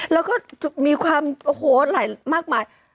แล้วก็มีความโอ้โหหลายมากมาย